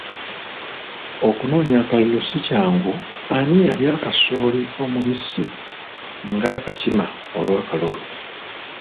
Okunoonya akalulu si kyangu, ani yalya kasooli omubisi ng’akakima olw’akalulu?